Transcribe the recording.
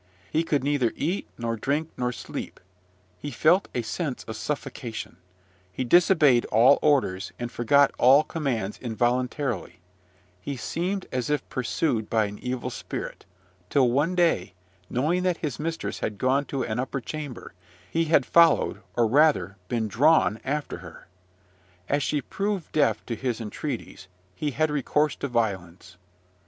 He could neither eat nor drink nor sleep: he felt a sense of suffocation; he disobeyed all orders, and forgot all commands involuntarily; he seemed as if pursued by an evil spirit, till one day, knowing that his mistress had gone to an upper chamber, he had followed, or, rather, been drawn after her. As she proved deaf to his entreaties, he had recourse to violence.